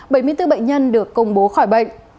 bốn bệnh nhân được công bố khỏi bệnh